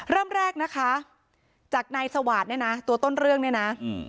เริ่มแรกนะคะจากนายสวาสตร์เนี่ยนะตัวต้นเรื่องเนี่ยนะอืม